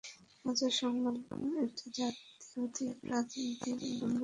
মাজার সংলগ্ন একটি অতি প্রাচীন তিন গম্বুজ মসজিদ রয়েছে।